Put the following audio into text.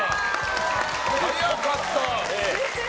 早かった。